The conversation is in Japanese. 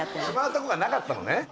しまうところがなかったのね。